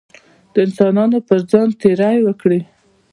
د انسانانو پر ځان تېری وکړي.